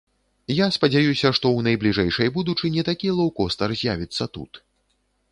Я спадзяюся, што ў найбліжэйшай будучыні такі лоўкостар з'явіцца тут.